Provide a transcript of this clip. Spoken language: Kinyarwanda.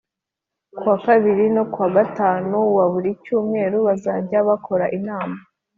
Kuwa kabiri no ku wa gatanu wa buri cyumweru bazajya bakora inama